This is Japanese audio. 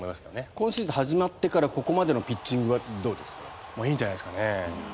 今シーズン始まってからここまでのピッチングはいいんじゃないですかね。